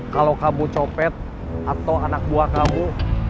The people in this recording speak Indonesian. kalau kamu copet atau anak buah kamu